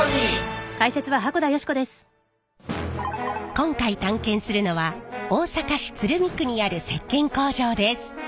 今回探検するのは大阪市鶴見区にある石けん工場です。